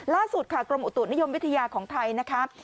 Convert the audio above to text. ล่าสุดค่ะกรมอุตุนิยมวิทยาของไทยนะคะ